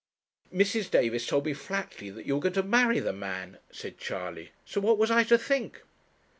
'Mrs. Davis told me flatly that you were going to marry the man,' said Charley; 'so what was I to think?'